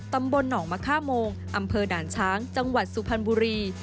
ตำบลหนองมะค่าโมงอำเภอด่านช้างจังหวัดสุพรรณบุรี